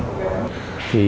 thì đối với nhóm